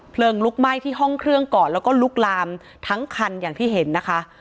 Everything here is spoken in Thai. ลุกไหม้ที่ห้องเครื่องก่อนแล้วก็ลุกลามทั้งคันอย่างที่เห็นนะคะ